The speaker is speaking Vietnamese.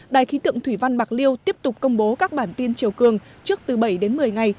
đài khí tượng thủy văn bạc liêu tiếp tục công bố các bản tin chiều cường trước từ bảy đến một mươi ngày